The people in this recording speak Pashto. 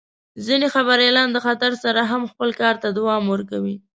ځینې خبریالان د خطر سره هم خپل کار ته دوام ورکوي.